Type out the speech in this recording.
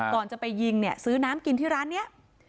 ก่อนจะไปยิงเนี่ยซื้อน้ำกินที่ร้านนี้